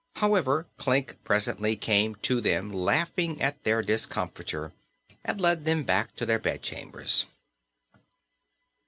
However, Klik presently came to them, laughing at their discomfiture, and led them back to their bedchambers.